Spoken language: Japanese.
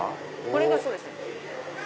これがそうですね。